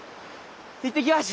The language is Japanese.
行ってきます。